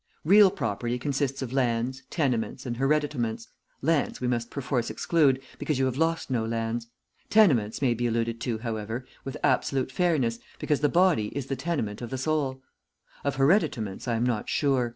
Real property consists of lands, tenements and hereditaments. Lands we must perforce exclude because you have lost no lands. Tenements may be alluded to, however, with absolute fairness because the body is the tenement of the soul. Of hereditaments I am not sure.